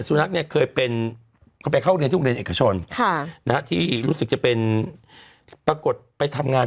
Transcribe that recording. สุนัขเนี่ยเคยเป็นเขาไปเข้าเรียนที่โรงเรียนเอกชนที่รู้สึกจะเป็นปรากฏไปทำงาน